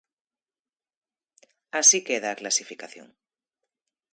Así queda a clasificación.